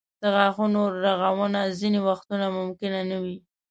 د غاښونو رغونه ځینې وختونه ممکنه نه وي.